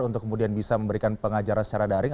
untuk kemudian bisa memberikan pengajaran secara daring